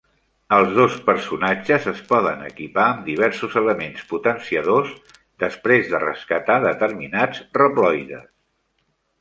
Els dos personatges es poden equipar amb diversos elements potenciadors després de rescatar determinats Reploides.